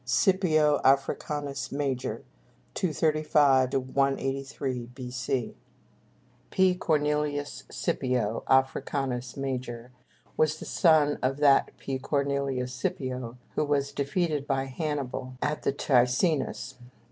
SCIPIO AFRICANUS MAJOR (235 183 B.C.) [Illustration: Scipio.] P. Cornelius Scipio, Africanus Major, was the son of that P. Cornelius Scipio who was defeated by Hannibal at the Ticinus.